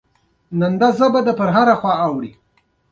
باران د افغانستان یوه بله مهمه طبیعي ځانګړتیا ده.